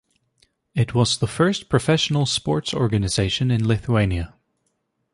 It was the first professional sports organisation in Lithuania.